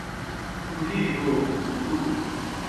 کُہی ہو کُٹُبوْ